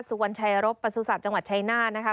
สุวรรณชายรบประสุทธิ์สัตว์จังหวัดชัยหน้านะคะ